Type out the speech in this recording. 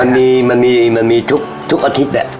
มันมีทุกอาทิตย์